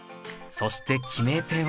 そして決め手は？